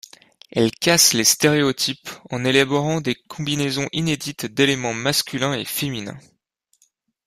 Elle casse les stéréotypes en élaborant des combinaisons inédites d'éléments masculins et féminins.